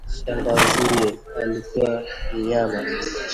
shangaziye alikuwa mnyama